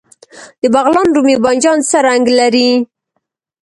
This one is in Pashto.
د بغلان رومي بانجان څه رنګ لري؟